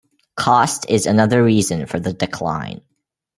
Cost is another reason for the decline.